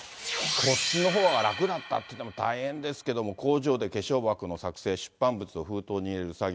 こっちのほうが楽だったというのも大変ですけども、工場で化粧箱の作製、封筒に入れる作業。